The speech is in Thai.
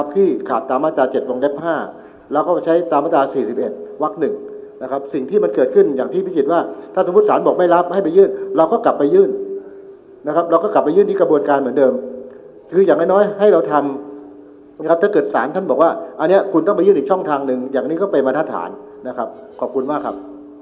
ถ้าสมมุติสารบอกไม่รับให้ไปยื่นเราก็กลับไปยื่นนะครับเราก็กลับไปยื่นที่กระบวนการเหมือนเดิมคืออย่างน้อยน้อยให้เราทำนะครับถ้าเกิดสารท่านบอกว่าอันเนี้ยคุณต้องไปยื่นอีกช่องทางหนึ่งอย่างนี้ก็เป็นมาทัศนนะครับขอบคุณมากครับ